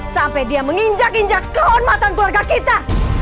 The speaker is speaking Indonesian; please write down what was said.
sampai dia menginjak injak kehormatan keluarga kita